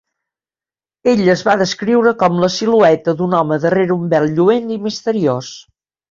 Ell es va descriure com la silueta d"un home darrera un vel lluent i misteriós.